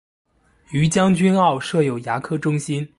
于将军澳设有牙科中心。